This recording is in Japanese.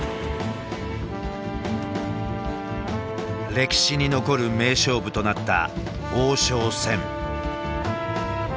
歴史に残る名勝負となった王将戦。